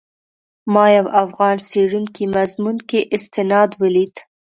ما یو افغان څېړونکي مضمون کې استناد ولید.